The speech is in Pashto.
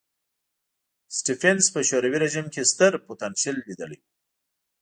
سټېفنس په شوروي رژیم کې ستر پوتنشیل لیدلی و.